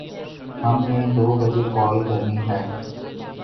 ہم نے دو بجے کال کرنی ہے